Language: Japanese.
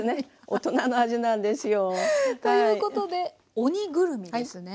大人の味なんですよ。ということで鬼ぐるみですね。